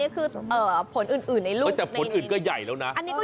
คือว่าใหญ่มากอะ